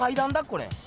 これ。